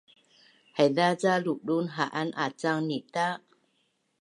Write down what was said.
Haiza ca ludun ha’an acang nita’?